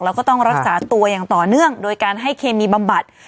แล้วก็ต้องรักษาตัวอย่างต่อเนื่องโดยการให้เคมีบำบัด